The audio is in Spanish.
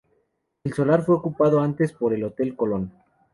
El solar fue ocupado antes por el Hotel Colón.